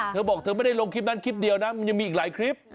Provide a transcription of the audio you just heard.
เธอบอกเธอไม่ได้ลงคลิปนั้นคลิปเดียวนะมันยังมีอีกหลายคลิป